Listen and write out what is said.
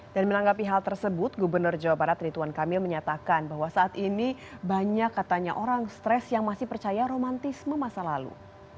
dan menanggapi hal tersebut gubernur jawa barat rituan kamil menyatakan bahwa saat ini banyak katanya orang stres yang masih percaya romantisme masa lalu